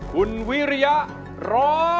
เพลงที่๖มูลค่า๖๐๐๐๐บาท